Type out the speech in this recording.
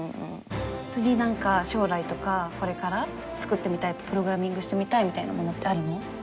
次何か将来とかこれから作ってみたいプログラミングしてみたいみたいなものってあるの？